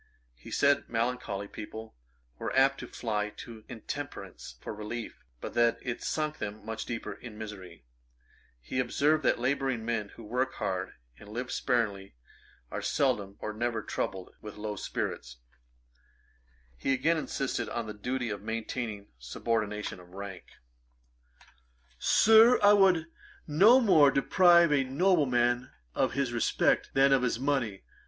He said melancholy people were apt to fly to intemperance for relief, but that it sunk them much deeper in misery. He observed, that labouring men who work hard, and live sparingly, are seldom or never troubled with low spirits. [Page 447: Mrs. Macaulay's footman. Ætat 54.] [Page 448: Levelling up. A.D. 1763.] He again insisted on the duty of maintaining subordination of rank. 'Sir, I would no more deprive a nobleman of his respect, than of his money.